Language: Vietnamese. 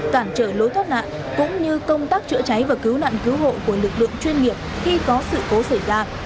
cản trở lối thoát nạn cũng như công tác chữa cháy và cứu nạn cứu hộ của lực lượng chuyên nghiệp khi có sự cố xảy ra